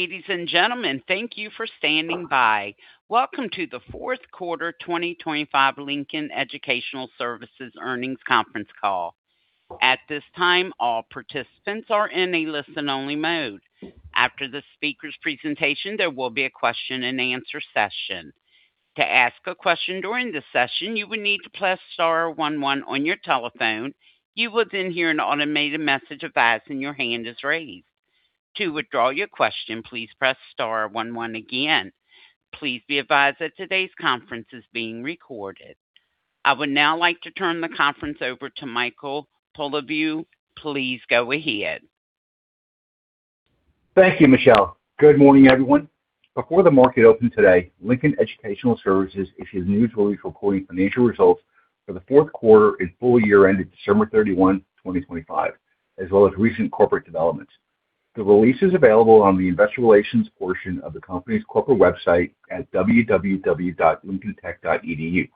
Ladies and gentlemen, thank you for standing by. Welcome to the fourth quarter 2025 Lincoln Educational Services Earnings Conference Call. At this time, all participants are in a listen-only mode. After the speaker's presentation, there will be a question-and-answer session. To ask a question during the session, you would need to press * 1 1 on your telephone. You will then hear an automated message advising your hand is raised. To withdraw your question, please press * 1 1 again. Please be advised that today's conference is being recorded. I would now like to turn the conference over to Michael Polyviou. Please go ahead. Thank you, Michelle. Good morning, everyone. Before the market opened today, Lincoln Educational Services issued a news release recording financial results for the fourth quarter and full year ended December 31, 2025, as well as recent corporate developments. The release is available on the investor relations portion of the company's corporate website at www.lincolntech.edu.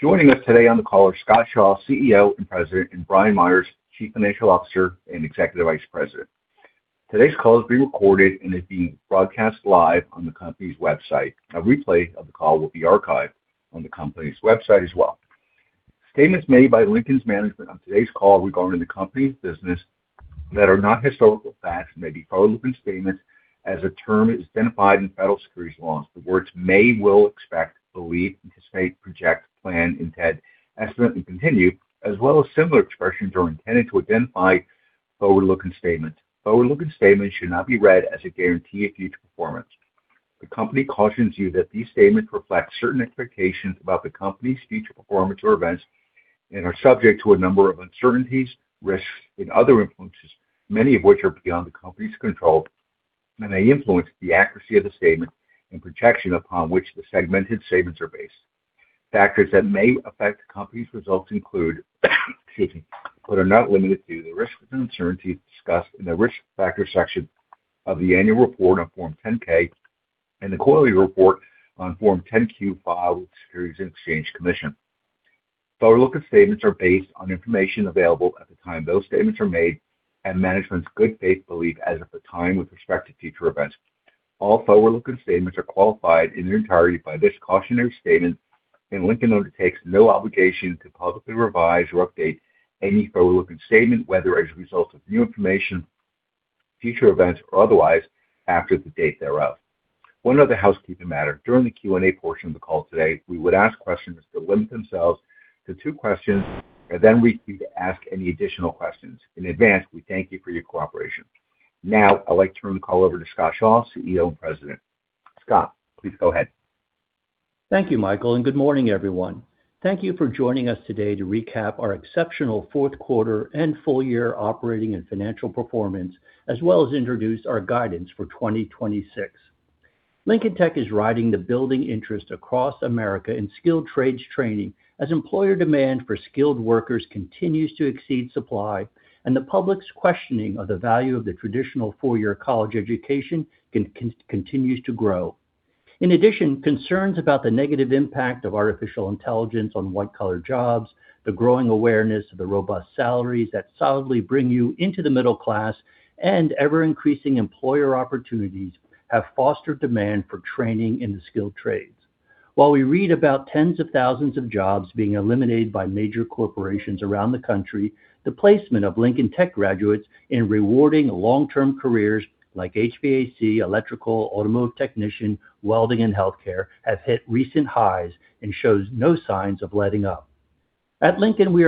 Joining us today on the call are Scott Shaw, CEO and President, and Brian Meyers, Chief Financial Officer and Executive Vice President. Today's call is being recorded and is being broadcast live on the company's website. A replay of the call will be archived on the company's website as well. Statements made by Lincoln's management on today's call regarding the company's business that are not historical facts may be forward-looking statements as the term is identified in federal securities laws. The words may, will, expect, believe, anticipate, project, plan, intend, estimate, and continue, as well as similar expressions, are intended to identify forward-looking statements. Forward-looking statements should not be read as a guarantee of future performance. The company cautions you that these statements reflect certain expectations about the company's future performance or events and are subject to a number of uncertainties, risks, and other influences, many of which are beyond the company's control, and may influence the accuracy of the statement and projection upon which the segmented statements are based. Factors that may affect the company's results include, excuse me, but are not limited to, the risks and uncertainties discussed in the Risk Factors section of the annual report on Form 10-K and the quarterly report on Form 10-Q filed with the Securities and Exchange Commission. Forward-looking statements are based on information available at the time those statements are made and management's good faith belief as of the time with respect to future events. All forward-looking statements are qualified in their entirety by this cautionary statement. Lincoln undertakes no obligation to publicly revise or update any forward-looking statement, whether as a result of new information, future events, or otherwise, after the date thereof. One other housekeeping matter. During the Q&A portion of the call today, we would ask questions to limit themselves to 2 questions and then we ask any additional questions. In advance, we thank you for your cooperation. Now, I'd like to turn the call over to Scott Shaw, CEO and President. Scott, please go ahead. Thank you, Michael. Good morning, everyone. Thank you for joining us today to recap our exceptional fourth quarter and full year operating and financial performance, as well as introduce our guidance for 2026. Lincoln Tech is riding the building interest across America in skilled trades training as employer demand for skilled workers continues to exceed supply, and the public's questioning of the value of the traditional four-year college education continues to grow. In addition, concerns about the negative impact of artificial intelligence on white-collar jobs, the growing awareness of the robust salaries that solidly bring you into the middle class, and ever-increasing employer opportunities have fostered demand for training in the skilled trades. While we read about tens of thousands of jobs being eliminated by major corporations around the country, the placement of Lincoln Tech graduates in rewarding long-term careers like HVAC, electrical, automotive technician, welding, and healthcare, have hit recent highs and shows no signs of letting up. At Lincoln, we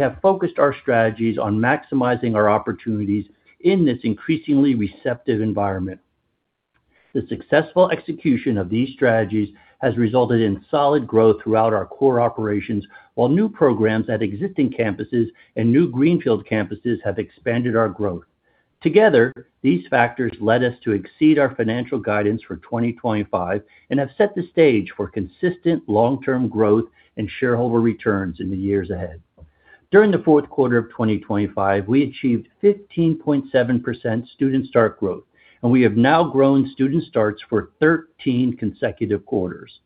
have focused our strategies on maximizing our opportunities in this increasingly receptive environment. The successful execution of these strategies has resulted in solid growth throughout our core operations, while new programs at existing campuses and new greenfield campuses have expanded our growth. Together, these factors led us to exceed our financial guidance for 2025 and have set the stage for consistent long-term growth and shareholder returns in the years ahead. During the fourth quarter of 2025, we achieved 15.7% student start growth. We have now grown student starts for 13 consecutive quarters.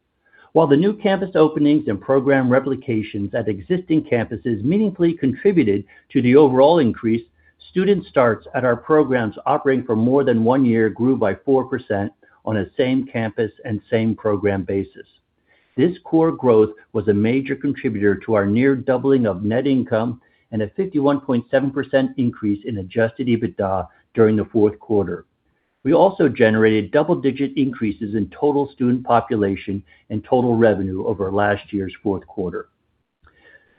While the new campus openings and program replications at existing campuses meaningfully contributed to the overall increase, student starts at our programs operating for more than one year grew by 4% on a same-campus and same-program basis. This core growth was a major contributor to our near doubling of net income and a 51.7% increase in adjusted EBITDA during the fourth quarter. We also generated double-digit increases in total student population and total revenue over last year's fourth quarter.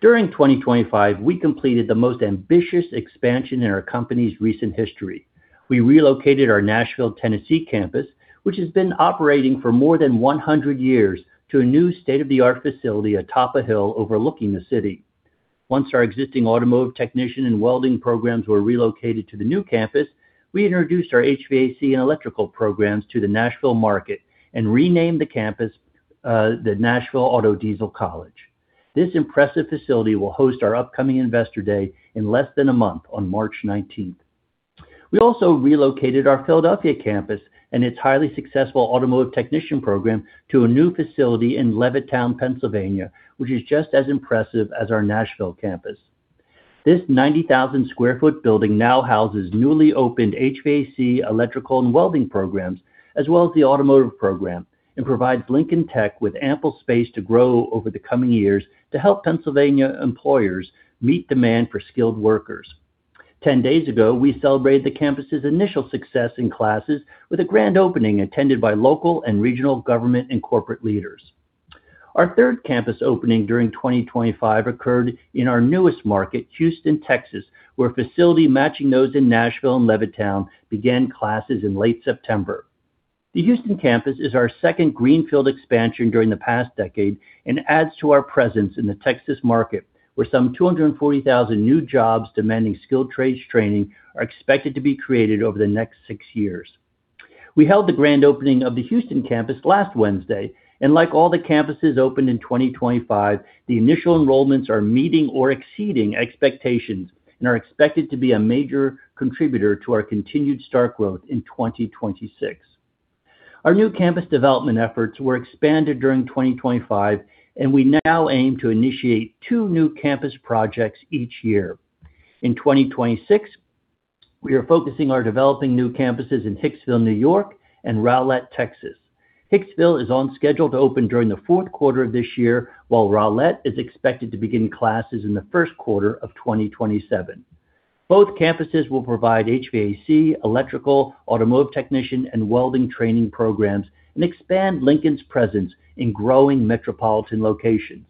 During 2025, we completed the most ambitious expansion in our company's recent history. We relocated our Nashville, Tennessee, campus, which has been operating for more than 100 years, to a new state-of-the-art facility atop a hill overlooking the city. Once our existing automotive technician and welding programs were relocated to the new campus, we introduced our HVAC and electrical programs to the Nashville market and renamed the campus, the Nashville Auto Diesel College. This impressive facility will host our upcoming Investor Day in less than a month, on March 19th. We also relocated our Philadelphia campus and its highly successful automotive technician program to a new facility in Levittown, Pennsylvania, which is just as impressive as our Nashville campus. This 90,000 sq ft building now houses newly opened HVAC, electrical, and welding programs, as well as the automotive program, and provides Lincoln Tech with ample space to grow over the coming years to help Pennsylvania employers meet demand for skilled workers. 10 days ago, we celebrated the campus's initial success in classes with a grand opening attended by local and regional government and corporate leaders. Our third campus opening during 2025 occurred in our newest market, Houston, Texas, where a facility matching those in Nashville and Levittown began classes in late September. The Houston campus is our second greenfield expansion during the past decade and adds to our presence in the Texas market, where some 240,000 new jobs demanding skilled trades training are expected to be created over the next 6 years. We held the grand opening of the Houston campus last Wednesday. Like all the campuses opened in 2025, the initial enrollments are meeting or exceeding expectations and are expected to be a major contributor to our continued start growth in 2026. Our new campus development efforts were expanded during 2025. We now aim to initiate two new campus projects each year. In 2026, we are focusing on developing new campuses in Hicksville, New York, and Rowlett, Texas. Hicksville is on schedule to open during the fourth quarter of this year, while Rowlett is expected to begin classes in the first quarter of 2027. Both campuses will provide HVAC, electrical, automotive technician, and welding training programs and expand Lincoln's presence in growing metropolitan locations.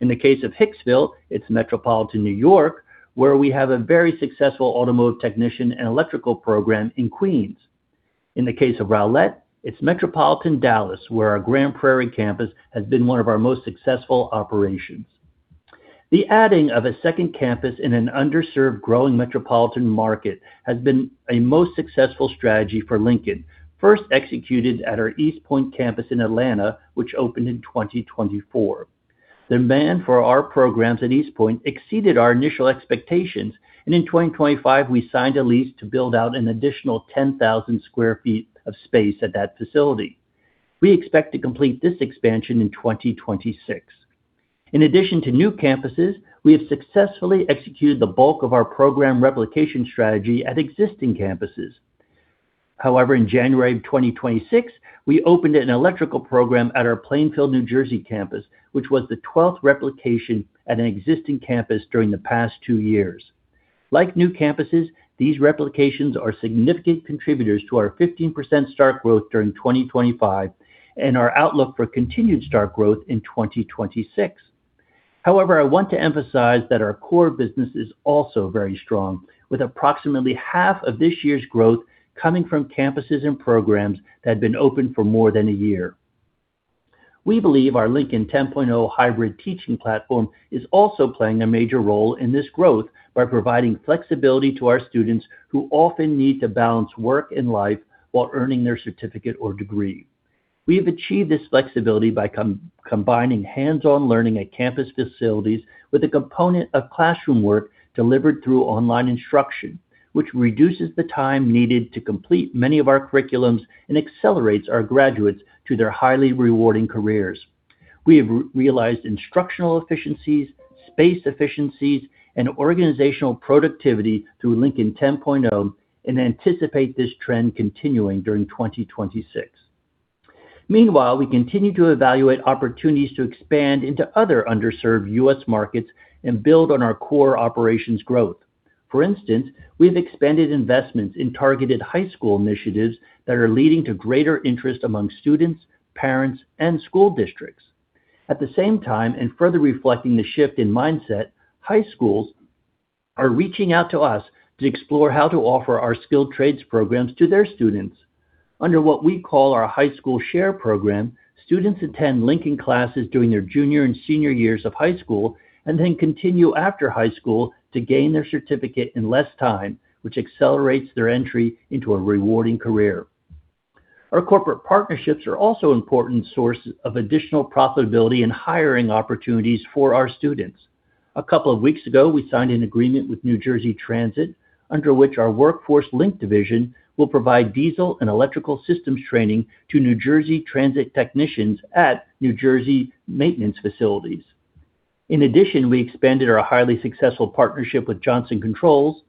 In the case of Hicksville, it's metropolitan New York, where we have a very successful automotive technician and electrical program in Queens. In the case of Rowlett, it's metropolitan Dallas, where our Grand Prairie campus has been one of our most successful operations. The adding of a second campus in an underserved, growing metropolitan market has been a most successful strategy for Lincoln, first executed at our East Point campus in Atlanta, which opened in 2024. Demand for our programs at East Point exceeded our initial expectations. In 2025, we signed a lease to build out an additional 10,000 sq ft of space at that facility. We expect to complete this expansion in 2026. In addition to new campuses, we have successfully executed the bulk of our program replication strategy at existing campuses. However, in January of 2026, we opened an electrical program at our Plainfield, New Jersey, campus, which was the 12th replication at an existing campus during the past 2 years. Like new campuses, these replications are significant contributors to our 15% start growth during 2025 and our outlook for continued start growth in 2026. However, I want to emphasize that our core business is also very strong, with approximately half of this year's growth coming from campuses and programs that have been open for more than 1 year. We believe our Lincoln 10.0 hybrid teaching platform is also playing a major role in this growth by providing flexibility to our students, who often need to balance work and life while earning their certificate or degree. We have achieved this flexibility by combining hands-on learning at campus facilities with a component of classroom work delivered through online instruction, which reduces the time needed to complete many of our curriculums and accelerates our graduates to their highly rewarding careers. We have realized instructional efficiencies, space efficiencies, and organizational productivity through Lincoln 10.0, and anticipate this trend continuing during 2026. Meanwhile, we continue to evaluate opportunities to expand into other underserved U.S. markets and build on our core operations growth. For instance, we've expanded investments in targeted high school initiatives that are leading to greater interest among students, parents, and school districts. At the same time, and further reflecting the shift in mindset, high schools are reaching out to us to explore how to offer our skilled trades programs to their students. Under what we call our High School Share program, students attend Lincoln classes during their junior and senior years of high school and then continue after high school to gain their certificate in less time, which accelerates their entry into a rewarding career. Our corporate partnerships are also important sources of additional profitability and hiring opportunities for our students. A couple of weeks ago, we signed an agreement with New Jersey Transit, under which our WorkforceLinc division will provide diesel and electrical systems training to New Jersey Transit technicians at New Jersey maintenance facilities. In addition, we expanded our highly successful partnership with Johnson Controls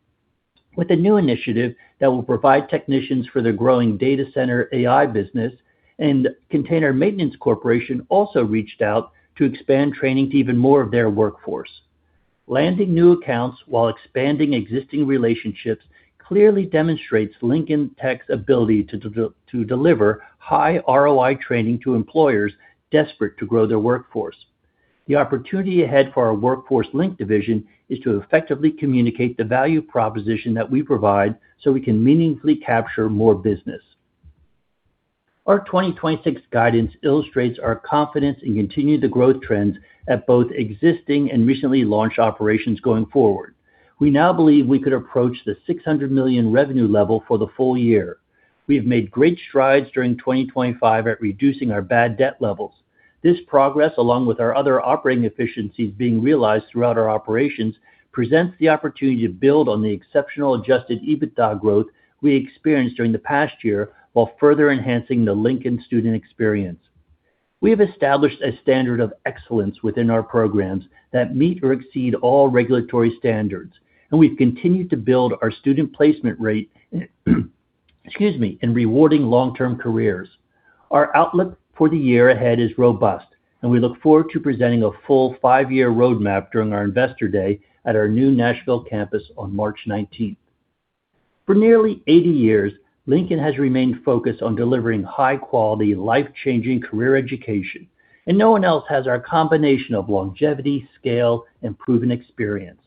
with a new initiative that will provide technicians for their growing data center AI business, and Container Maintenance Corporation also reached out to expand training to even more of their workforce. Landing new accounts while expanding existing relationships clearly demonstrates Lincoln Tech's ability to deliver high ROI training to employers desperate to grow their workforce. The opportunity ahead for our WorkforceLinc division is to effectively communicate the value proposition that we provide so we can meaningfully capture more business. Our 2026 guidance illustrates our confidence in continuing the growth trends at both existing and recently launched operations going forward. We now believe we could approach the $600 million revenue level for the full year. We have made great strides during 2025 at reducing our bad debt levels. This progress, along with our other operating efficiencies being realized throughout our operations, presents the opportunity to build on the exceptional adjusted EBITDA growth we experienced during the past year, while further enhancing the Lincoln student experience. We have established a standard of excellence within our programs that meet or exceed all regulatory standards, and we've continued to build our student placement rate, excuse me, in rewarding long-term careers. Our outlook for the year ahead is robust, and we look forward to presenting a full five-year roadmap during our Investor Day at our new Nashville campus on March 19th. For nearly 80 years, Lincoln has remained focused on delivering high-quality, life-changing career education, and no one else has our combination of longevity, scale, and proven experience.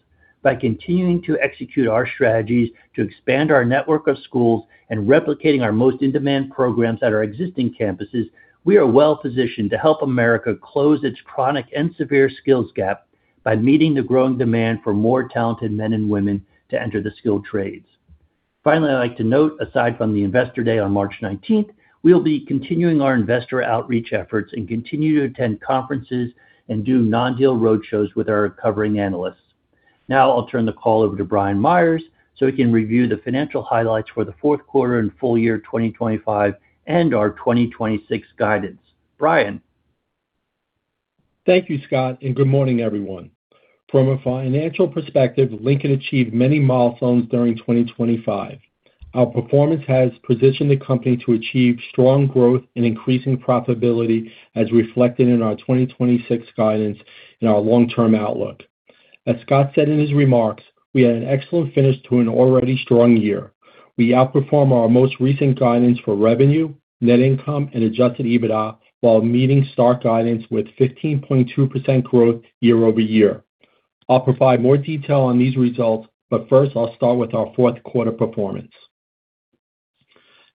By continuing to execute our strategies to expand our network of schools and replicating our most in-demand programs at our existing campuses, we are well-positioned to help America close its chronic and severe skills gap by meeting the growing demand for more talented men and women to enter the skilled trades. Finally, I'd like to note, aside from the Investor Day on March 19th, we'll be continuing our investor outreach efforts and continue to attend conferences and do non-deal roadshows with our covering analysts. Now I'll turn the call over to Brian Meyers, so he can review the financial highlights for the fourth quarter and full year 2025 and our 2026 guidance. Brian? Thank you, Scott. Good morning, everyone. From a financial perspective, Lincoln achieved many milestones during 2025. Our performance has positioned the company to achieve strong growth and increasing profitability, as reflected in our 2026 guidance and our long-term outlook. As Scott said in his remarks, we had an excellent finish to an already strong year. We outperformed our most recent guidance for revenue, net income, and adjusted EBITDA, while meeting student guidance with 15.2% growth year-over-year. I'll provide more detail on these results. First, I'll start with our fourth quarter performance.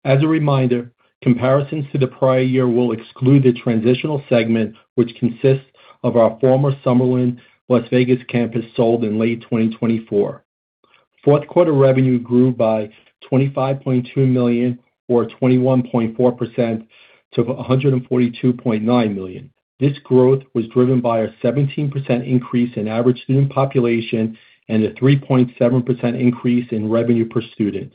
As a reminder, comparisons to the prior year will exclude the transitional segment, which consists of our former Summerlin Las Vegas campus, sold in late 2024. Fourth quarter revenue grew by $25.2 million, or 21.4% to $142.9 million. This growth was driven by a 17% increase in average student population and a 3.7% increase in revenue per student.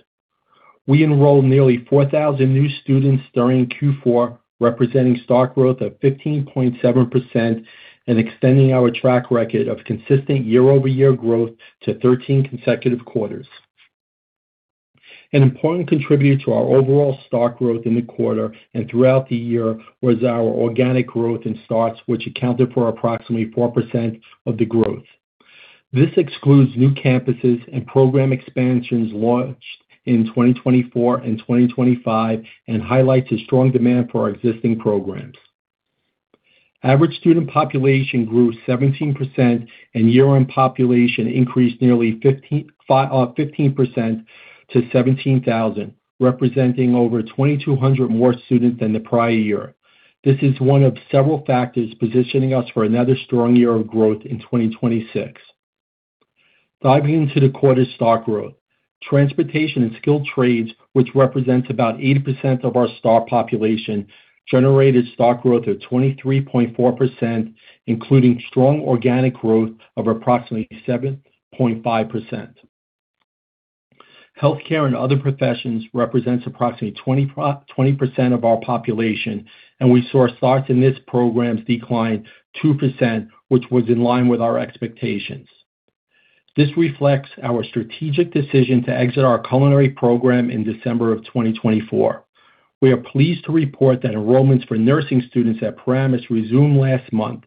We enrolled nearly 4,000 new students during Q4, representing start growth of 15.7% and extending our track record of consistent year-over-year growth to 13 consecutive quarters. An important contributor to our overall start growth in the quarter and throughout the year was our organic growth in starts, which accounted for approximately 4% of the growth. This excludes new campuses and program expansions launched in 2024 and 2025 and highlights the strong demand for our existing programs. Average student population grew 17%, year-end population increased nearly 15% to 17,000, representing over 2,200 more students than the prior year. This is one of several factors positioning us for another strong year of growth in 2026. Diving into the quarter start growth. Transportation and skilled trades, which represents about 80% of our student population, generated start growth of 23.4%, including strong organic growth of approximately 7.5%. Healthcare and other professions represent approximately 20% of our population, and we saw our starts in this program decline 2%, which was in line with our expectations. This reflects our strategic decision to exit our culinary program in December of 2024. We are pleased to report that enrollments for nursing students at Paramus resumed last month.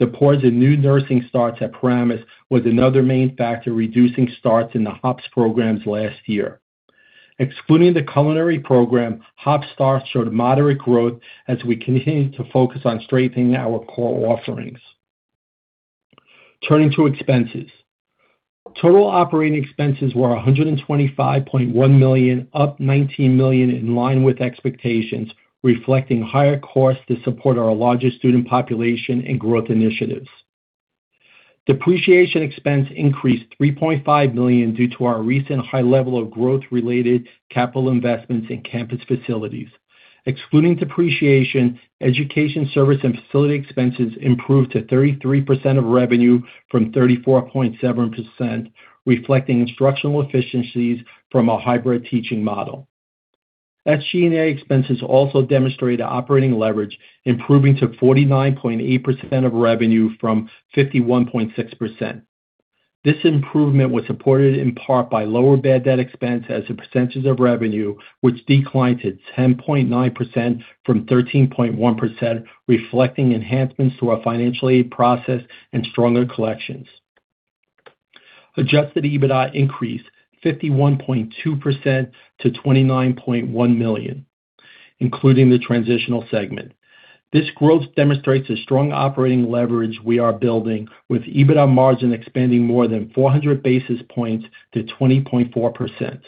The pause in new nursing starts at Paramus was another main factor, reducing starts in the HOPS programs last year. Excluding the culinary program, HOPS starts showed moderate growth as we continued to focus on strengthening our core offerings. Turning to expenses. Total operating expenses were $125.1 million, up $19 million, in line with expectations, reflecting higher costs to support our larger student population and growth initiatives. Depreciation expense increased $3.5 million due to our recent high level of growth-related capital investments in campus facilities. Excluding depreciation, education, service, and facility expenses improved to 33% of revenue from 34.7%, reflecting instructional efficiencies from our hybrid teaching model. SG&A expenses also demonstrated operating leverage, improving to 49.8% of revenue from 51.6%. This improvement was supported in part by lower bad debt expense as a percentage of revenue, which declined to 10.9% from 13.1%, reflecting enhancements to our financial aid process and stronger collections. Adjusted EBITDA increased 51.2% to $29.1 million, including the transitional segment. This growth demonstrates the strong operating leverage we are building, with EBITDA margin expanding more than 400 basis points to 20.4%.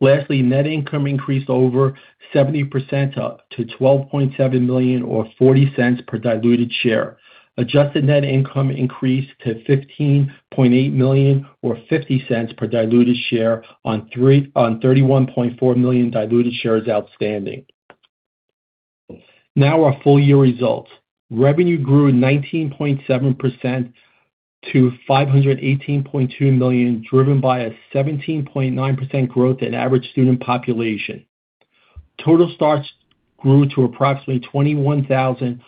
Lastly, net income increased over 70%, up to $12.7 million, or $0.40 per diluted share. Adjusted net income increased to $15.8 million, or $0.50 per diluted share on 31.4 million diluted shares outstanding. Our full-year results. Revenue grew 19.7%-... to $518.2 million, driven by a 17.9% growth in average student population. Total starts grew to approximately 21,000,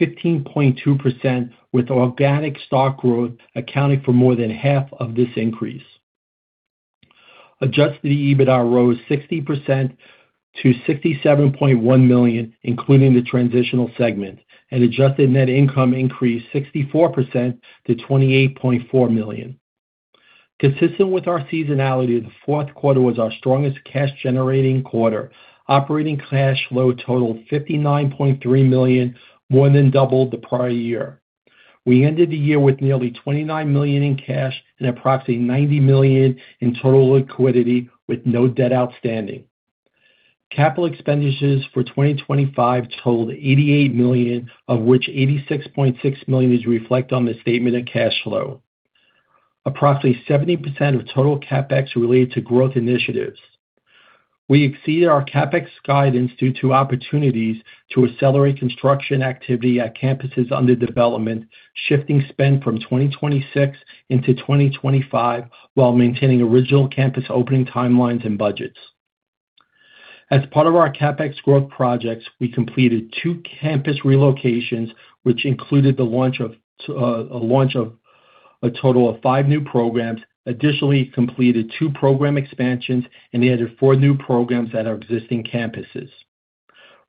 up 15.2%, with organic start growth accounting for more than half of this increase. Adjusted EBITDA rose 60% to $67.1 million, including the transitional segment, and adjusted net income increased 64% to $28.4 million. Consistent with our seasonality, the fourth quarter was our strongest cash-generating quarter. Operating cash flow totaled $59.3 million, more than double the prior year. We ended the year with nearly $29 million in cash and approximately $90 million in total liquidity, with no debt outstanding. Capital expenditures for 2025 totaled $88 million, of which $86.6 million is reflect on the statement of cash flow. Approximately 70% of total CapEx related to growth initiatives. We exceeded our CapEx guidance due to opportunities to accelerate construction activity at campuses under development, shifting spend from 2026 into 2025, while maintaining original campus opening timelines and budgets. As part of our CapEx growth projects, we completed 2 campus relocations, which included the launch of a total of 5 new programs. Additionally, we completed 2 program expansions and added 4 new programs at our existing campuses.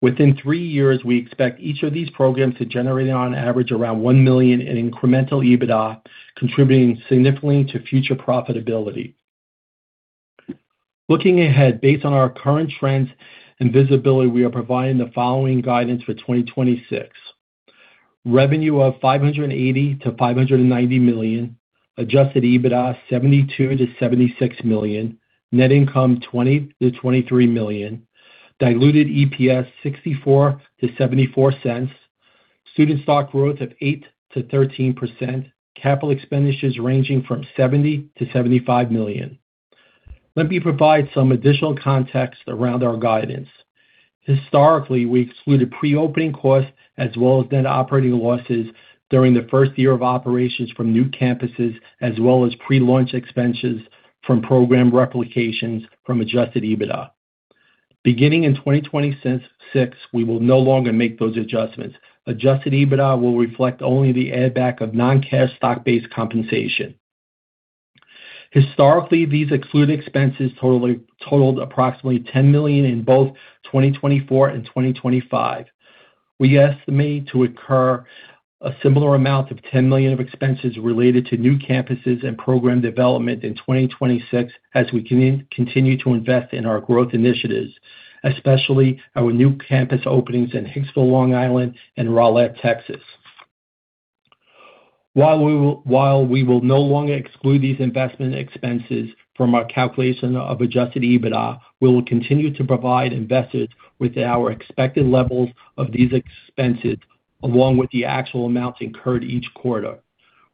Within 3 years, we expect each of these programs to generate on average, around $1 million in incremental EBITDA, contributing significantly to future profitability. Looking ahead, based on our current trends and visibility, we are providing the following guidance for 2026. Revenue of $580 million-$590 million. Adjusted EBITDA, $72 million-$76 million. Net income, $20 million-$23 million. Diluted EPS, $0.64-$0.74. Student start growth of 8%-13%. Capital expenditures ranging from $70 million-$75 million. Let me provide some additional context around our guidance. Historically, we excluded pre-opening costs as well as net operating losses during the first year of operations from new campuses, as well as pre-launch expenses from program replications from adjusted EBITDA. Beginning in 2026, we will no longer make those adjustments. Adjusted EBITDA will reflect only the add back of non-cash start-based compensation. Historically, these excluded expenses totaled approximately $10 million in both 2024 and 2025. We estimate to incur a similar amount of $10 million of expenses related to new campuses and program development in 2026 as we continue to invest in our growth initiatives, especially our new campus openings in Hicksville, Long Island, and Rowlett, Texas. While we will no longer exclude these investment expenses from our calculation of adjusted EBITDA, we will continue to provide investors with our expected levels of these expenses, along with the actual amounts incurred each quarter.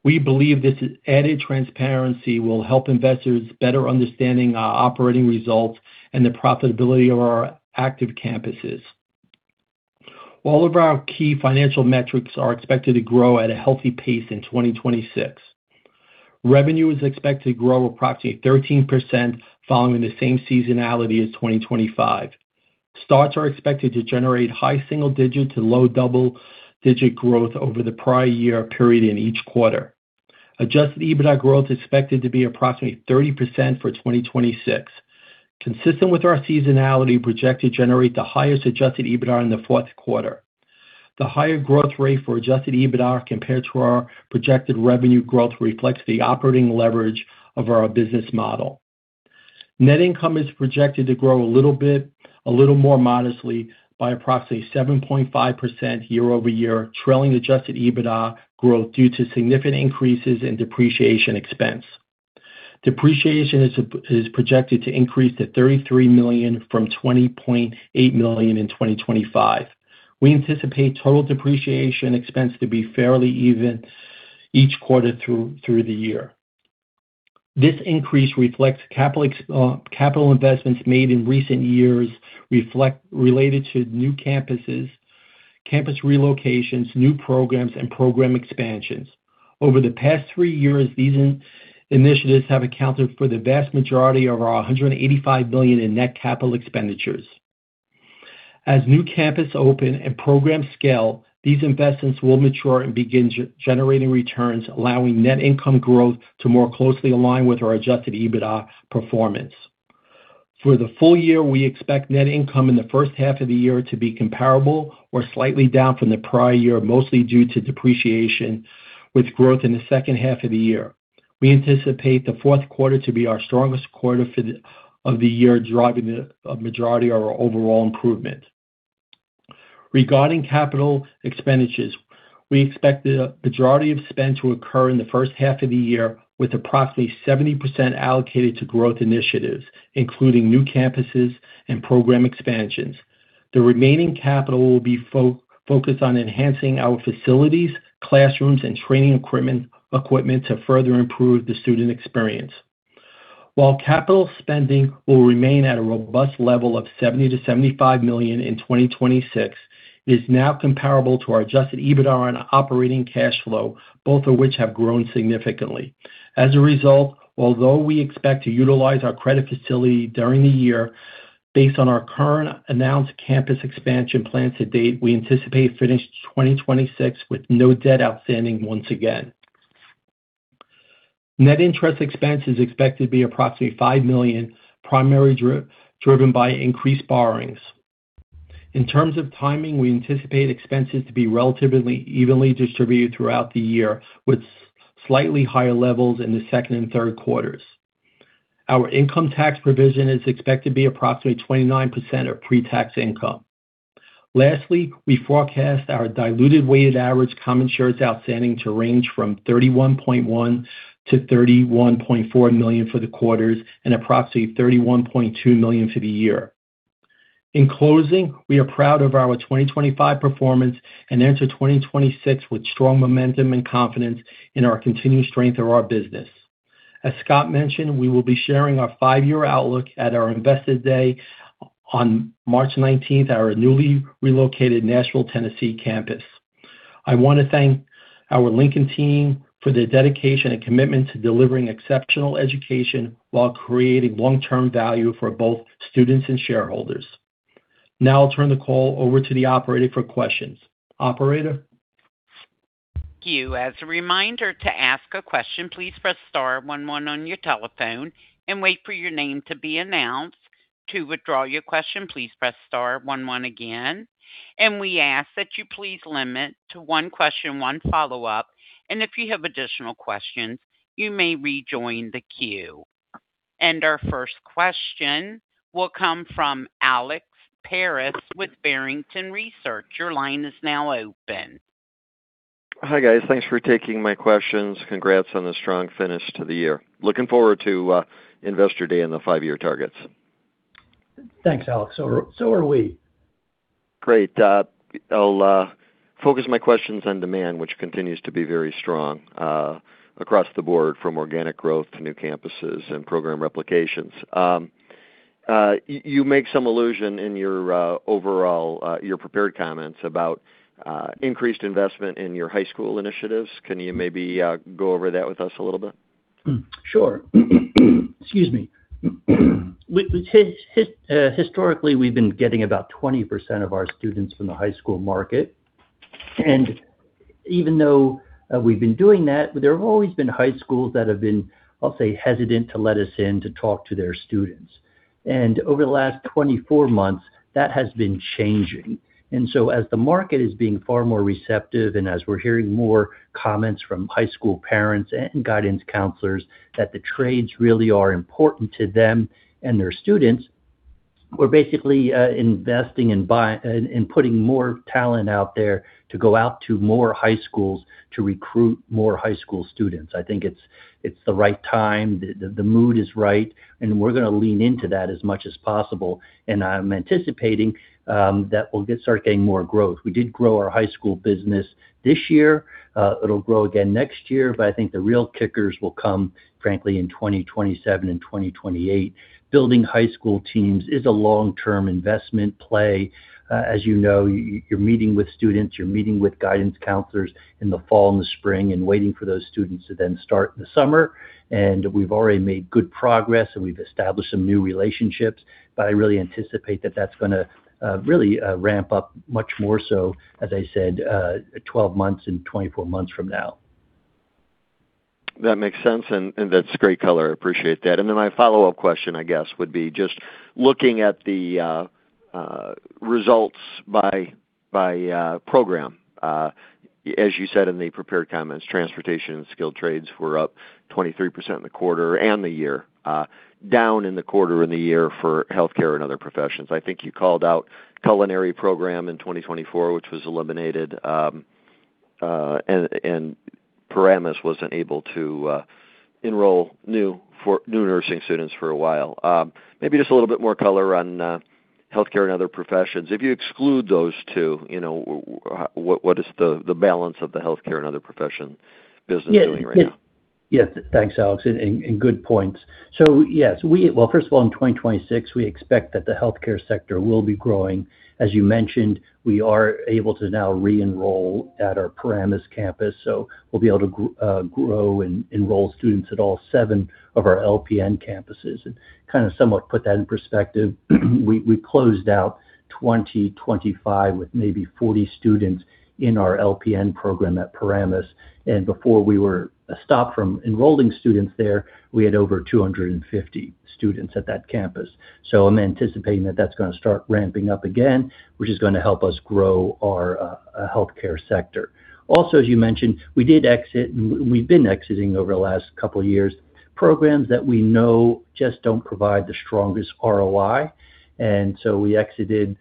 We believe this added transparency will help investors better understanding our operating results and the profitability of our active campuses. All of our key financial metrics are expected to grow at a healthy pace in 2026. Revenue is expected to grow approximately 13%, following the same seasonality as 2025. Starts are expected to generate high single-digit to low double-digit growth over the prior year period in each quarter. Adjusted EBITDA growth is expected to be approximately 30% for 2026. Consistent with our seasonality, we project to generate the highest adjusted EBITDA in the fourth quarter. The higher growth rate for adjusted EBITDA compared to our projected revenue growth reflects the operating leverage of our business model. Net income is projected to grow a little bit, a little more modestly by approximately 7.5% year-over-year, trailing adjusted EBITDA growth due to significant increases in depreciation expense. Depreciation is projected to increase to $33 million from $20.8 million in 2025. We anticipate total depreciation expense to be fairly even each quarter through the year. This increase reflects capital investments made in recent years related to new campuses, campus relocations, new programs, and program expansions. Over the past three years, these initiatives have accounted for the vast majority of our $185 million in net capital expenditures. As new campuses open and programs scale, these investments will mature and begin generating returns, allowing net income growth to more closely align with our adjusted EBITDA performance. For the full year, we expect net income in the first half of the year to be comparable or slightly down from the prior year, mostly due to depreciation with growth in the second half of the year. We anticipate the fourth quarter to be our strongest quarter of the year, driving the majority of our overall improvement. Regarding capital expenditures, we expect the majority of spend to occur in the first half of the year, with approximately 70% allocated to growth initiatives, including new campuses and program expansions. The remaining capital will be focused on enhancing our facilities, classrooms, and training equipment to further improve the student experience. While CapEx will remain at a robust level of $70 million-$75 million in 2026, it is now comparable to our adjusted EBITDA and operating cash flow, both of which have grown significantly. As a result, although we expect to utilize our credit facility during the year, based on our current announced campus expansion plans to date, we anticipate finishing 2026 with no debt outstanding once again. Net interest expense is expected to be approximately $5 million, primarily driven by increased borrowings. In terms of timing, we anticipate expenses to be relatively evenly distributed throughout the year, with slightly higher levels in the second and third quarters. Our income tax provision is expected to be approximately 29% of pre-tax income. Lastly, we forecast our diluted weighted average common shares outstanding to range from 31.1 million-31.4 million for the quarters and approximately 31.2 million for the year. In closing, we are proud of our 2025 performance and enter 2026 with strong momentum and confidence in our continued strength of our business. As Scott mentioned, we will be sharing our 5-year outlook at our Investor Day on March 19th, at our newly relocated Nashville, Tennessee, campus. I want to thank our Lincoln team for their dedication and commitment to delivering exceptional education while creating long-term value for both students and shareholders. Now I'll turn the call over to the operator for questions. Operator? Thank you. As a reminder, to ask a question, please press * 1 1 on your telephone and wait for your name to be announced. To withdraw your question, please press * 1 1 again, we ask that you please limit to one question, one follow-up, and if you have additional questions, you may rejoin the queue. Our first question will come from Alex Paris with Barrington Research. Your line is now open. Hi, guys. Thanks for taking my questions. Congrats on the strong finish to the year. Looking forward to Investor Day and the 5-year targets. Thanks, Alex. So, so are we. Great. I'll focus my questions on demand, which continues to be very strong across the board, from organic growth to new campuses and program replications. You make some allusion in your overall, your prepared comments about increased investment in your high school initiatives. Can you maybe go over that with us a little bit? Sure. Excuse me. Historically, we've been getting about 20% of our students from the high school market, and even though we've been doing that, there have always been high schools that have been, I'll say, hesitant to let us in to talk to their students. Over the last 24 months, that has been changing. As the market is being far more receptive and as we're hearing more comments from high school parents and guidance counselors, that the trades really are important to them and their students, we're basically investing and putting more talent out there to go out to more high schools to recruit more high school students. I think it's the right time, the mood is right, and we're gonna lean into that as much as possible, and I'm anticipating, that we'll get, start getting more growth. We did grow our high school business this year. It'll grow again next year, but I think the real kickers will come, frankly, in 2027 and 2028. Building high school teams is a long-term investment play. As you know, you're meeting with students, you're meeting with guidance counselors in the fall and the spring and waiting for those students to then start in the summer. We've already made good progress, and we've established some new relationships, but I really anticipate that that's gonna, really, ramp up much more so, as I said, 12 months and 24 months from now. That makes sense, and that's great color. I appreciate that. Then my follow-up question, I guess, would be just looking at the results by program. As you said in the prepared comments, transportation and skilled trades were up 23% in the quarter and the year, down in the quarter and the year for healthcare and other professions. I think you called out culinary program in 2024, which was eliminated, and Paramus wasn't able to enroll new nursing students for a while. Maybe just a little bit more color on healthcare and other professions. If you exclude those two, you know, what is the balance of the healthcare and other profession business doing right now? Yes. Thanks, Alex, and, and good points. Yes, well, first of all, in 2026, we expect that the healthcare sector will be growing. As you mentioned, we are able to now re-enroll at our Paramus campus, so we'll be able to grow and enroll students at all 7 of our LPN campuses. Somewhat put that in perspective, we, we closed out 2025 with maybe 40 students in our LPN program at Paramus, and before we were stopped from enrolling students there, we had over 250 students at that campus. I'm anticipating that that's gonna start ramping up again, which is gonna help us grow our healthcare sector. As you mentioned, we did exit, and we've been exiting over the last couple of years,... programs that we know just don't provide the strongest ROI. We exited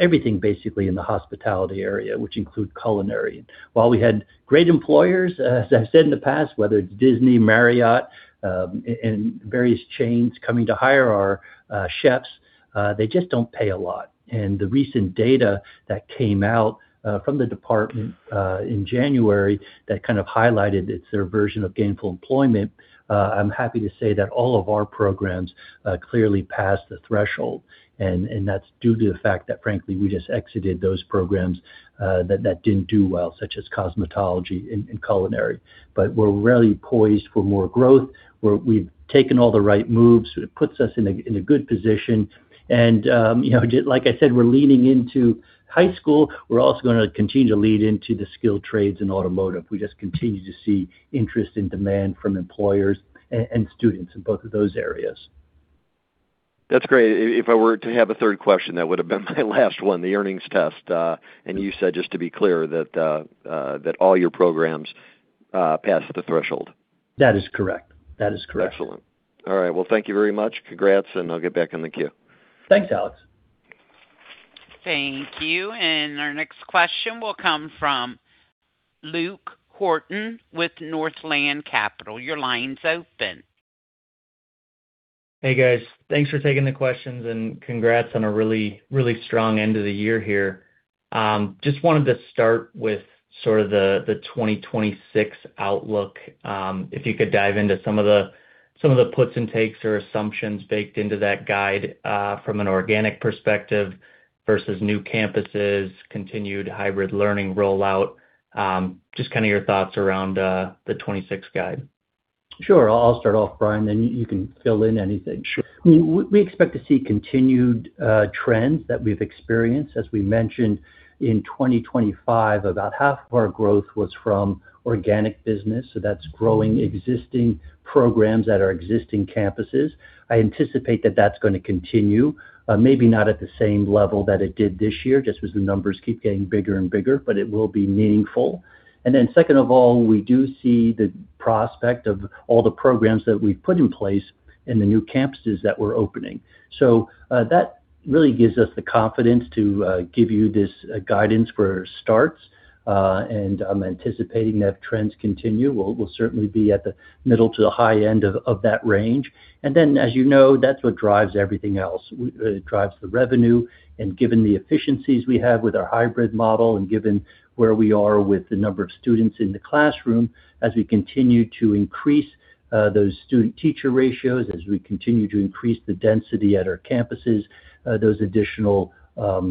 everything basically in the hospitality area, which include culinary. While we had great employers, as I said in the past, whether it's Disney, Marriott, and various chains coming to hire our chefs, they just don't pay a lot. The recent data that came out from the department in January, that kind of highlighted, it's their version of gainful employment. I'm happy to say that all of our programs clearly pass the threshold, and that's due to the fact that, frankly, we just exited those programs that didn't do well, such as cosmetology and culinary. We're really poised for more growth, where we've taken all the right moves, so it puts us in a good position. You know, just like I said, we're leaning into high school. We're also gonna continue to lead into the skilled trades and automotive. We just continue to see interest and demand from employers and students in both of those areas. That's great. If I were to have a third question, that would have been my last one, the earnings test. You said, just to be clear, that all your programs passed the threshold? That is correct. That is correct. Excellent. All right, well, thank you very much. Congrats, and I'll get back in the queue. Thanks, Alex. Thank you. Our next question will come from Luke Horton with Northland Capital. Your line's open. Hey, guys. Thanks for taking the questions, and congrats on a really, really strong end of the year here. Just wanted to start with sort of the, the 2026 outlook. If you could dive into some of the, some of the puts and takes or assumptions baked into that guide, from an organic perspective versus new campuses, continued hybrid learning rollout, just kind of your thoughts around the 2026 guide. Sure. I'll start off, Brian, then you, you can fill in anything. Sure. We, we expect to see continued trends that we've experienced. As we mentioned, in 2025, about half of our growth was from organic business, so that's growing existing programs at our existing campuses. I anticipate that that's going to continue, maybe not at the same level that it did this year, just as the numbers keep getting bigger and bigger, but it will be meaningful. Then second of all, we do see the prospect of all the programs that we've put in place in the new campuses that we're opening. That really gives us the confidence to give you this guidance for starts, and I'm anticipating that trends continue. We'll, we'll certainly be at the middle to the high end of that range. Then, as you know, that's what drives everything else. It drives the revenue, and given the efficiencies we have with our hybrid model and given where we are with the number of students in the classroom, as we continue to increase those student-teacher ratios, as we continue to increase the density at our campuses, those additional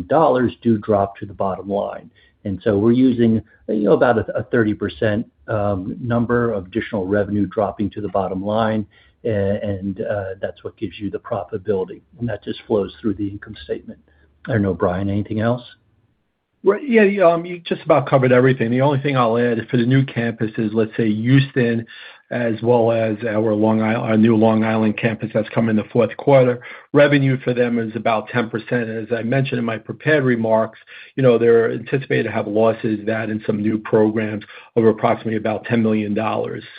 dollars do drop to the bottom line. We're using, you know, about a 30% number of additional revenue dropping to the bottom line, and that's what gives you the profitability, and that just flows through the income statement. I don't know, Brian, anything else? Well, yeah, yeah, you just about covered everything. The only thing I'll add is for the new campuses, let's say Houston, as well as our new Long Island campus that's come in the fourth quarter, revenue for them is about 10%. As I mentioned in my prepared remarks, you know, they're anticipated to have losses, that and some new programs over approximately about $10 million.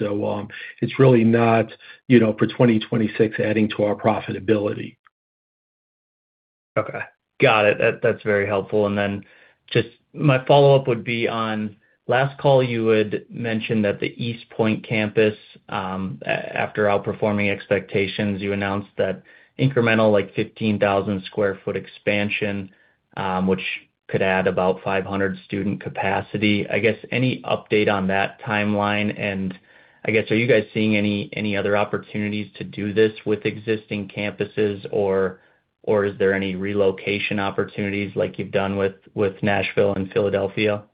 So, it's really not, you know, for 2026 adding to our profitability. Okay. Got it. That, that's very helpful. Then just my follow-up would be on, last call you had mentioned that the East Point campus, after outperforming expectations, you announced that incremental, like, 15,000 sq ft expansion, which could add about 500 student capacity. I guess, any update on that timeline? I guess, are you guys seeing any, any other opportunities to do this with existing campuses, or, or is there any relocation opportunities like you've done with, with Nashville and Philadelphia?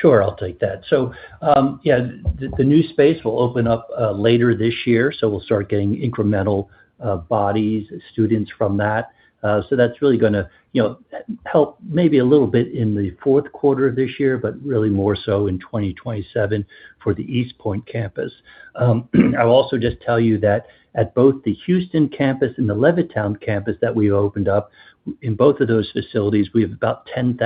Sure, I'll take that. The, the new space will open up later this year, so we'll start getting incremental bodies, students from that. That's really gonna, you know, help maybe a little bit in the fourth quarter of this year, but really more so in 2027 for the East Point campus. I'll also just tell you that at both the Houston campus and the Levittown campus that we opened up, in both of those facilities, we have about 10,000-15,000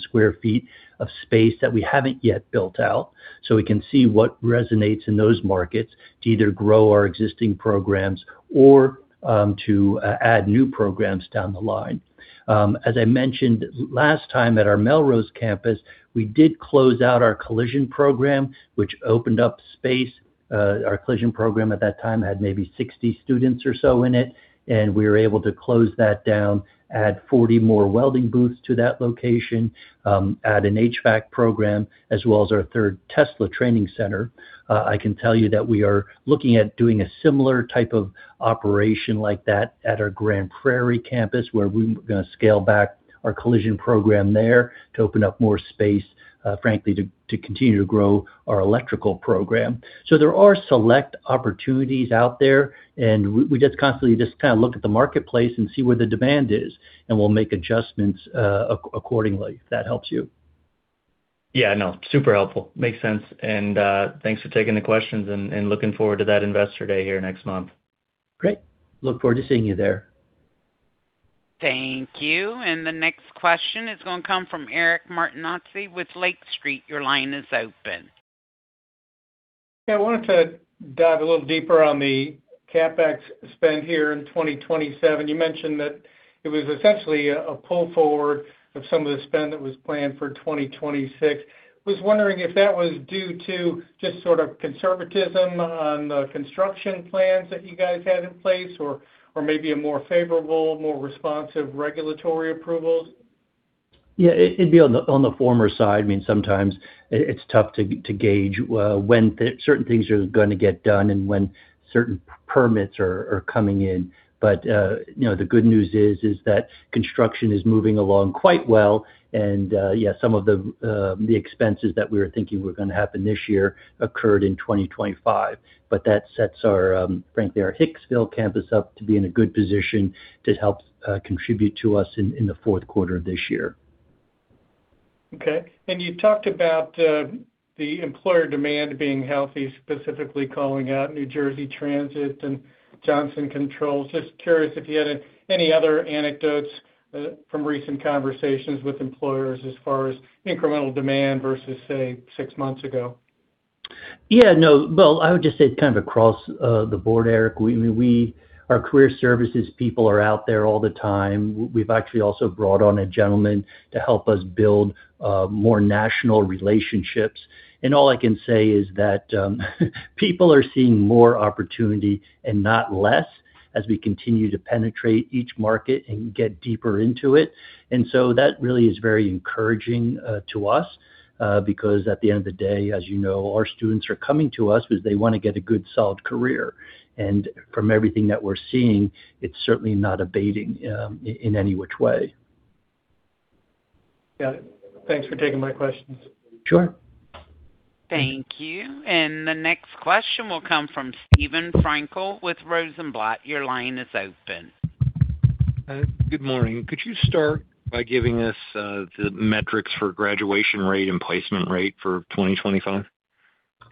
sq ft of space that we haven't yet built out. We can see what resonates in those markets to either grow our existing programs or to add new programs down the line. As I mentioned, last time at our Melrose campus, we did close out our collision program, which opened up space. Our collision program at that time had maybe 60 students or so in it, and we were able to close that down, add 40 more welding booths to that location, add an HVAC program, as well as our 3rd Tesla training center. I can tell you that we are looking at doing a similar type of operation like that at our Grand Prairie campus, where we were gonna scale back our collision program there to open up more space, frankly, to, to continue to grow our electrical program. There are select opportunities out there, and we, we just constantly just kind of look at the marketplace and see where the demand is, and we'll make adjustments accordingly, if that helps you. Yeah, no, super helpful. Makes sense. Thanks for taking the questions, and, and looking forward to that investor day here next month. Great. Look forward to seeing you there. Thank you. The next question is going to come from Eric Martinuzzi with Lake Street. Your line is open. Yeah, I wanted to dive a little deeper on the CapEx spend here in 2027. You mentioned that it was essentially a pull forward of some of the spend that was planned for 2026. Was wondering if that was due to just sort of conservatism on the construction plans that you guys had in place or maybe a more favorable, more responsive regulatory approvals? Yeah, it, it'd be on the, on the former side. I mean, sometimes it, it's tough to, to gauge when certain things are going to get done and when certain permits are, are coming in. You know, the good news is, is that construction is moving along quite well. Yeah, some of the expenses that we were thinking were going to happen this year occurred in 2025. That sets our, frankly, our Hicksville campus up to be in a good position to help contribute to us in, in the fourth quarter of this year. Okay. You talked about the employer demand being healthy, specifically calling out New Jersey Transit and Johnson Controls. Just curious if you had any other anecdotes from recent conversations with employers as far as incremental demand versus, say, six months ago? Yeah, no. Well, I would just say kind of across the board, Eric, we, we, our career services people are out there all the time. We've actually also brought on a gentleman to help us build more national relationships. All I can say is that people are seeing more opportunity and not less as we continue to penetrate each market and get deeper into it. So, that really is very encouraging to us because at the end of the day, as you know, our students are coming to us because they want to get a good, solid career. From everything that we're seeing, it's certainly not abating in any which way. Got it. Thanks for taking my questions. Sure. Thank you. The next question will come from Steven Frankel with Rosenblatt. Your line is open. Good morning. Could you start by giving us the metrics for graduation rate and placement rate for 2025?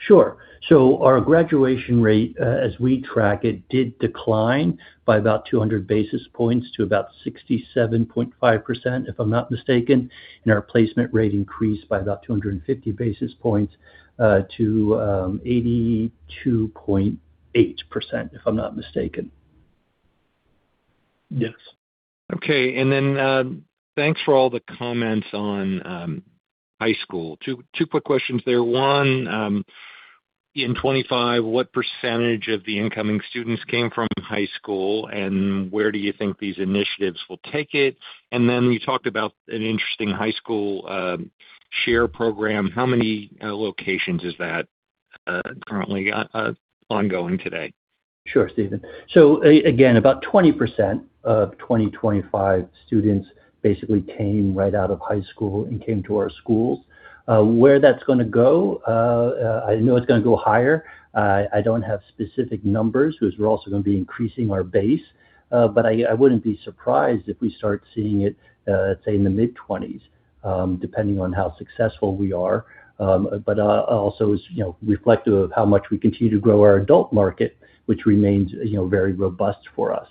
Sure. Our graduation rate, as we track it, did decline by about 200 basis points to about 67.5%, if I'm not mistaken, and our placement rate increased by about 250 basis points, to 82.8%, if I'm not mistaken. Yes. Okay, and then, thanks for all the comments on, high school. Two, two quick questions there. One, in 25, what % of the incoming students came from high school, and where do you think these initiatives will take it? Then you talked about an interesting High School Share program. How many locations is that currently ongoing today? Sure, Steven. Again, about 20% of 2025 students basically came right out of high school and came to our schools. Where that's gonna go, I know it's gonna go higher. I don't have specific numbers because we're also going to be increasing our base, but I, I wouldn't be surprised if we start seeing it, say, in the mid-twenties, depending on how successful we are. But, also as, you know, reflective of how much we continue to grow our adult market, which remains, you know, very robust for us.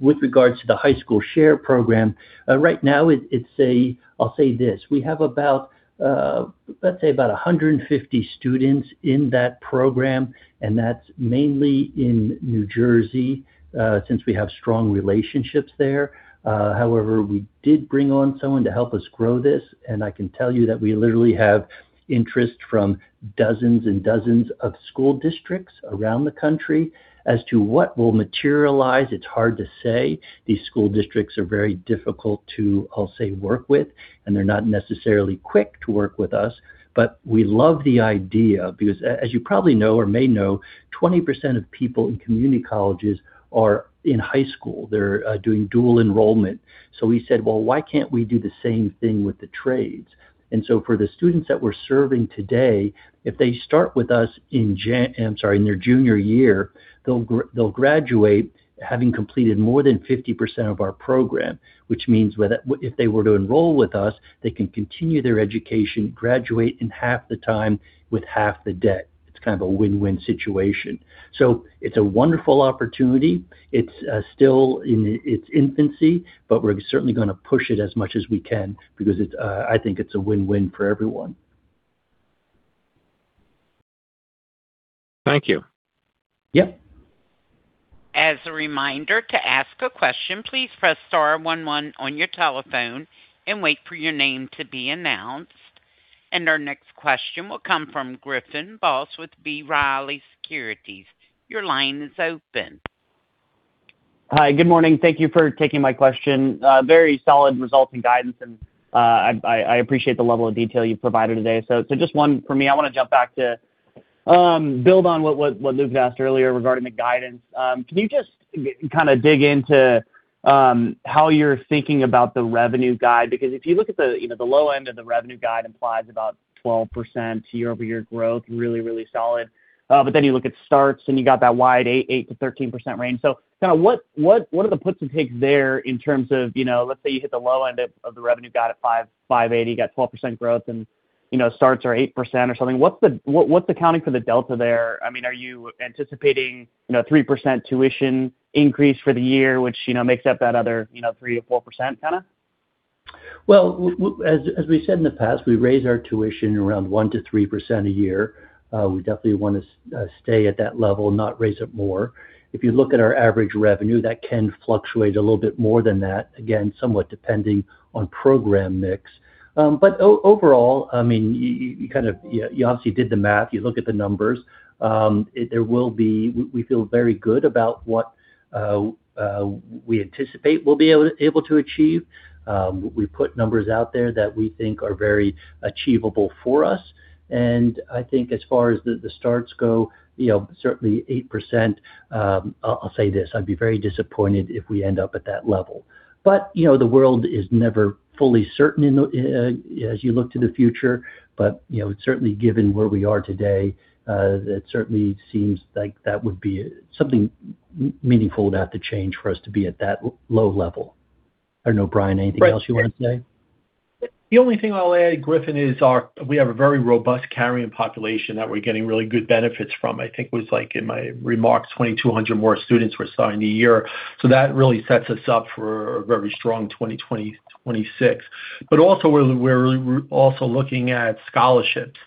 With regards to the High School Share program, right now, it's I'll say this, we have about, let's say about 150 students in that program, and that's mainly in New Jersey, since we have strong relationships there. However, we did bring on someone to help us grow this, and I can tell you that we literally have interest from dozens and dozens of school districts around the country. As to what will materialize, it's hard to say. These school districts are very difficult to, I'll say, work with, and they're not necessarily quick to work with us. We love the idea because as you probably know or may know, 20% of people in community colleges are in high school. They're doing dual enrollment. We said: Well, why can't we do the same thing with the trades? For the students that we're serving today, if they start with us in I'm sorry, in their junior year, they'll graduate having completed more than 50% of our program, which means if they were to enroll with us, they can continue their education, graduate in half the time with half the debt. It's kind of a win-win situation. It's a wonderful opportunity. It's still in its infancy, but we're certainly going to push it as much as we can because it's, I think it's a win-win for everyone. Thank you. Yep. As a reminder, to ask a question, please press * 1 1 on your telephone and wait for your name to be announced. Our next question will come from Griffin Boss with B. Riley Securities. Your line is open. Hi, good morning. Thank you for taking my question. Very solid results and guidance, and I appreciate the level of detail you've provided today. Just one for me. I want to jump back to build on what Luke asked earlier regarding the guidance. Can you just kind of dig into how you're thinking about the revenue guide? If you look at the, you know, the low end of the revenue guide implies about 12% year-over-year growth, really, really solid. But then you look at starts, and you got that wide 8%-13% range. Kind of what, what, what are the puts and takes there in terms of, you know, let's say you hit the low end of the revenue guide at $580 million, you got 12% growth and.... you know, starts are 8% or something. What's the, what, what's accounting for the delta there? I mean, are you anticipating, you know, 3% tuition increase for the year, which, you know, makes up that other, you know, 3%-4% kind of? Well, as, as we said in the past, we raise our tuition around 1%-3% a year. We definitely wanna stay at that level, not raise it more. If you look at our average revenue, that can fluctuate a little bit more than that, again, somewhat depending on program mix. Overall, I mean, you kind of, yeah, you obviously did the math. You look at the numbers, it there will be... We feel very good about what, we anticipate we'll be able to achieve. We put numbers out there that we think are very achievable for us, and I think as far as the, the starts go, you know, certainly 8%, I'll say this, I'd be very disappointed if we end up at that level. You know, the world is never fully certain in, as you look to the future, but, you know, certainly given where we are today, it certainly seems like that would be something meaningful would have to change for us to be at that low level. I don't know, Brian, anything else you want to say? The only thing I'll add, Griffin, is our- we have a very robust carrying population that we're getting really good benefits from. I think it was like in my remarks, 2,200 more students we're seeing a year. That really sets us up for a very strong 2026. Also, we're, we're also looking at scholarships.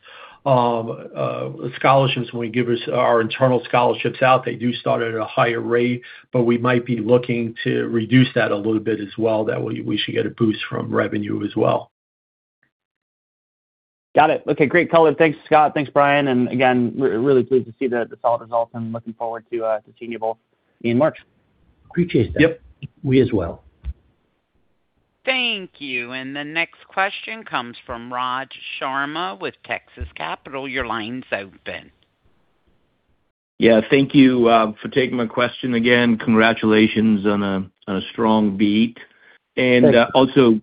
Scholarships, when we give us our internal scholarships out, they do start at a higher rate. We might be looking to reduce that a little bit as well, that way we should get a boost from revenue as well. Got it. Okay, great color. Thanks, Scott. Thanks, Brian. Again, we're really pleased to see the solid results and looking forward to seeing you both in March. Appreciate it. Yep. We as well. Thank you. The next question comes from Raj Sharma with Texas Capital. Your line's open. Yeah, thank you, for taking my question. Again, congratulations on a, on a strong beat. Thanks. Also,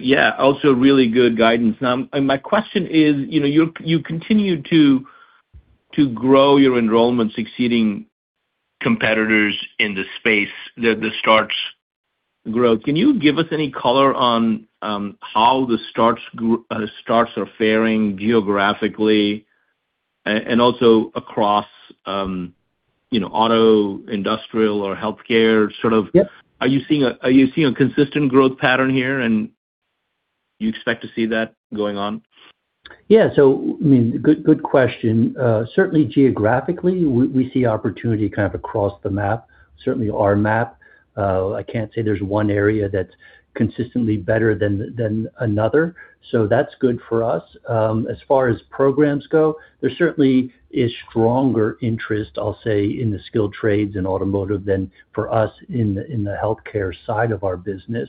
yeah, also really good guidance. Now, my question is, you know, you continue to, to grow your enrollment, succeeding competitors in the space, the, the starts growth. Can you give us any color on how the starts are fairing geographically and, and also across, you know, auto, industrial, or healthcare, sort of- Yep. Are you seeing a, are you seeing a consistent growth pattern here, and you expect to see that going on? Yeah, so, good question. Certainly geographically, we, we see opportunity kind of across the map, certainly our map. I can't say there's one area that's consistently better than, than another, so that's good for us. As far as programs go, there certainly is stronger interest, I'll say, in the skilled trades in automotive than for us in the, in the healthcare side of our business.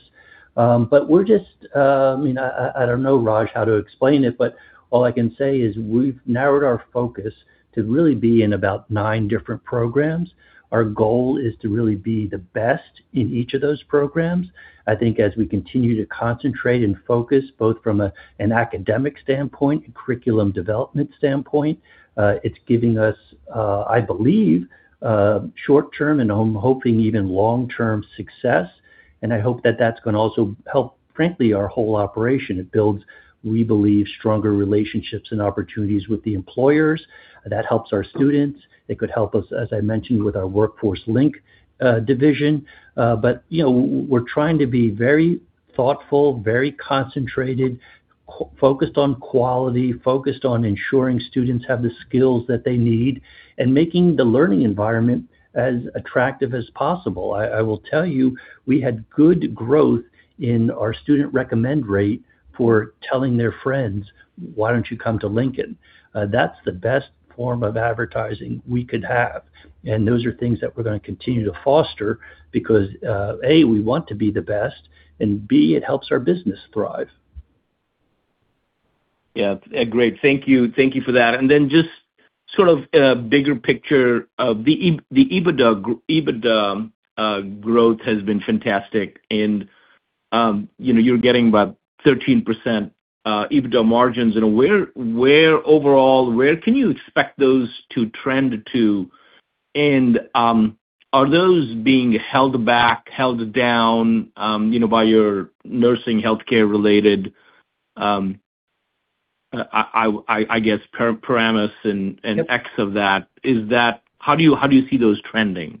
But we're just, you know, I, I don't know, Raj, how to explain it, but all I can say is we've narrowed our focus to really be in about nine different programs. Our goal is to really be the best in each of those programs. I think as we continue to concentrate and focus, both from a, an academic standpoint and curriculum development standpoint, it's giving us, I believe, a short term, and I'm hoping even long-term success, and I hope that that's going to also help, frankly, our whole operation. It builds, we believe, stronger relationships and opportunities with the employers. That helps our students. It could help us, as I mentioned, with our WorkforceLinc division. You know, we're trying to be very thoughtful, very concentrated, focused on quality, focused on ensuring students have the skills that they need, and making the learning environment as attractive as possible. I will tell you, we had good growth in our student recommend rate for telling their friends, "Why don't you come to Lincoln?" That's the best form of advertising we could have, those are things that we're gonna continue to foster because, A, we want to be the best, and B, it helps our business thrive. Yeah. Great. Thank you, thank you for that. Just sort of, bigger picture of the EBITDA growth has been fantastic, and, you know, you're getting about 13% EBITDA margins. Where, where overall, where can you expect those to trend to? Are those being held back, held down, you know, by your nursing healthcare related parameters? Yep... and, and X of that? How do you, how do you see those trending?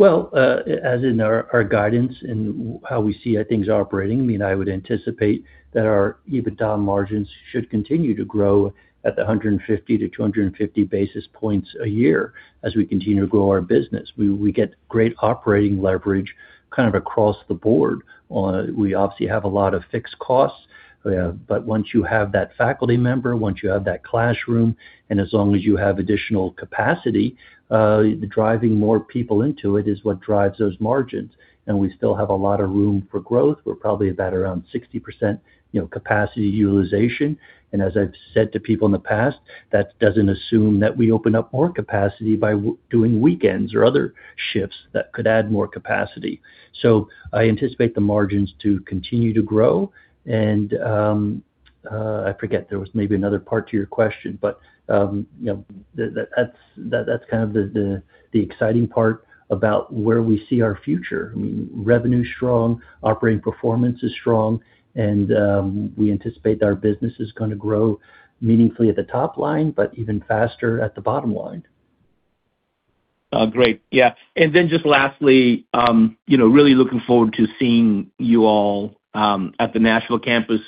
Well, as in our, our guidance and how we see how things operating, I mean, I would anticipate that our EBITDA margins should continue to grow at 150-250 basis points a year as we continue to grow our business. We, we get great operating leverage kind of across the board. We obviously have a lot of fixed costs, but once you have that faculty member, once you have that classroom, and as long as you have additional capacity, driving more people into it is what drives those margins. We still have a lot of room for growth. We're probably about around 60%, you know, capacity utilization. As I've said to people in the past, that doesn't assume that we open up more capacity by doing weekends or other shifts that could add more capacity. I anticipate the margins to continue to grow. I forget, there was maybe another part to your question, but, you know, that's kind of the exciting part about where we see our future. Revenue is strong, operating performance is strong, and we anticipate our business is gonna grow meaningfully at the top line, but even faster at the bottom line.... great. Yeah, just lastly, you know, really looking forward to seeing you all at the Nashville campus.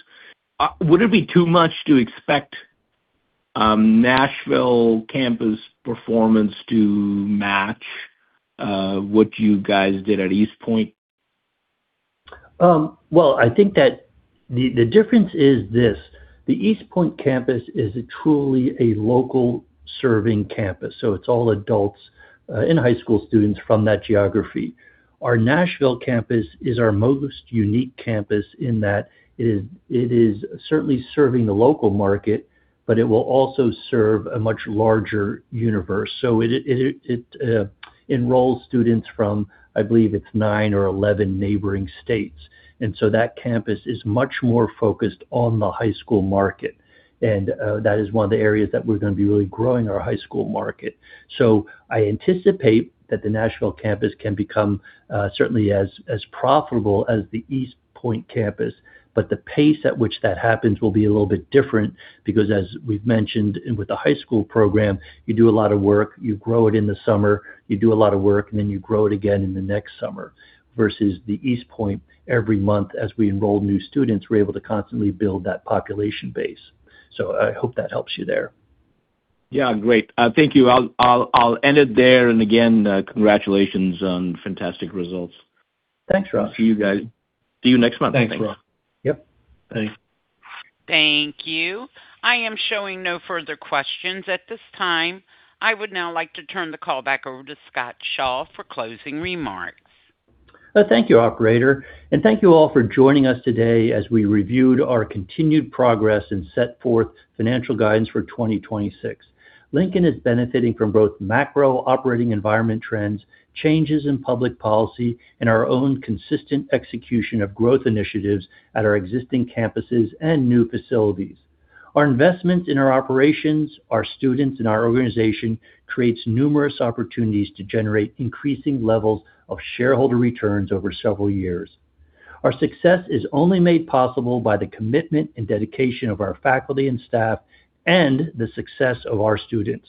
Would it be too much to expect Nashville campus performance to match what you guys did at East Point? Well, I think that the, the difference is this: the East Point campus is truly a local-serving campus, so it's all adults and high school students from that geography. Our Nashville campus is our most unique campus in that it is, it is certainly serving the local market, but it will also serve a much larger universe. It enrolls students from, I believe, it's 9 or 11 neighboring states. That campus is much more focused on the high school market, and that is one of the areas that we're gonna be really growing our high school market. I anticipate that the Nashville campus can become, certainly as, as profitable as the East Point campus, but the pace at which that happens will be a little bit different because as we've mentioned, with the high school program, you do a lot of work, you grow it in the summer, you do a lot of work, and then you grow it again in the next summer, versus the East Point, every month, as we enroll new students, we're able to constantly build that population base. I hope that helps you there. Yeah, great. thank you. I'll end it there. Again, congratulations on fantastic results. Thanks, Raj. See you guys. See you next month. Thanks, Raj. Yep. Thanks. Thank you. I am showing no further questions at this time. I would now like to turn the call back over to Scott Shaw for closing remarks. Thank you, operator, and thank you all for joining us today as we reviewed our continued progress and set forth financial guidance for 2026. Lincoln is benefiting from both macro-operating environment trends, changes in public policy, and our own consistent execution of growth initiatives at our existing campuses and new facilities. Our investments in our operations, our students, and our organization creates numerous opportunities to generate increasing levels of shareholder returns over several years. Our success is only made possible by the commitment and dedication of our faculty and staff, and the success of our students.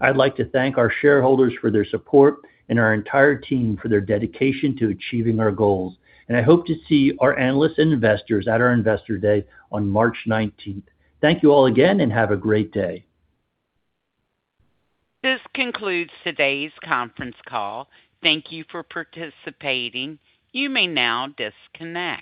I'd like to thank our shareholders for their support and our entire team for their dedication to achieving our goals. I hope to see our analysts and investors at our Investor Day on March 19th. Thank you all again and have a great day. This concludes today's conference call. Thank you for participating. You may now disconnect.